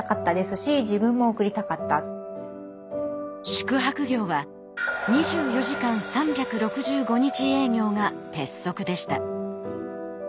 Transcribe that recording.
宿泊業は２４時間３６５日営業が鉄則でした。